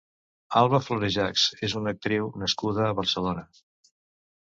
Alba Florejachs és una actriu nascuda a Barcelona.